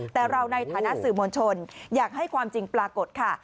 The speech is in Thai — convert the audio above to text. แต่เราในฐานะสื่อมวลชนอยากให้ความจริงปรากฏค่ะ